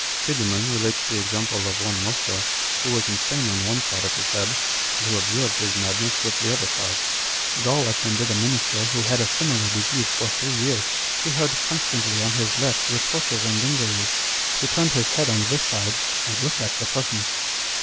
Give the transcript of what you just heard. " Tiedeman relates the example of one Moscr, who was insane on one side of his head, and who observed his mad ness with the other side. Gall attended a minister who 1 Page 165. On Dr. Spurzlieims Theory. 207 had a similar disease for three years. He heard constantly on his left reproaches and injuries ; he turned his head on this side, and looked at the persons."